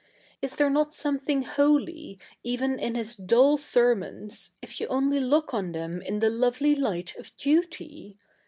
Is the7 e not something holy, even in his dull serfnons, if you 07ily look 07i the7?i i7i the lovely light of duty